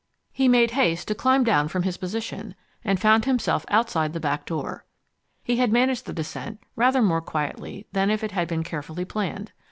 He made haste to climb down from his position, and found himself outside the back door. He had managed the descent rather more quietly than if it had been carefully planned.